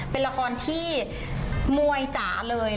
เป็นละครที่มวยจ๋าเลย